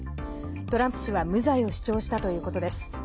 トランプ氏は無罪を主張したということです。